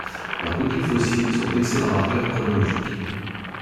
Leurs coquilles fossiles sont d'excellents marqueurs chronologiques.